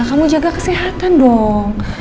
kamu jaga kesehatan dong